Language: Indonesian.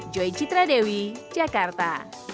joy citradewi jakarta